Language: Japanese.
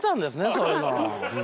そういうの。